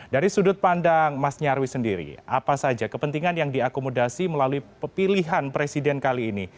dari sudut pandang mas nyarwi sendiri apa saja kepentingan yang diakomodasi melalui pilihan presiden kali ini